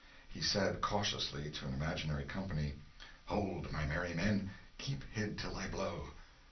He said cautiously—to an imaginary company: "Hold, my merry men! Keep hid till I blow."